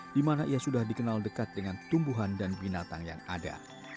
di mana ia sudah dikenal dekat dengan tumbuhan dan binatang yang ada